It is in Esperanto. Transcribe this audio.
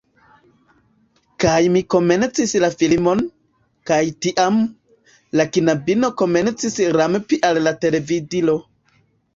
Kaj mi komencis la filmon, kaj tiam, la knabino komencis rampi al la televidilo.